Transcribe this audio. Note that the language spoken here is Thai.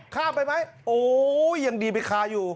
ข้ามไปไหมโอ้ยยังดีไปคาอยู่